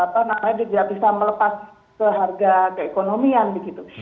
namanya dia nggak bisa melepas ke harga keekonomian begitu